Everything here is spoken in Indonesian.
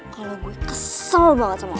kalo gue kesel banget sama lo